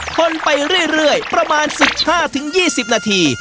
คนไปเรื่อยประมาณ๑๕๒๐นาที